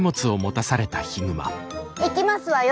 行きますわよ。